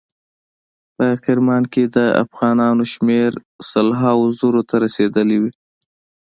په کرمان کې د افغانانو شمیر سل هاو زرو ته رسیدلی وي.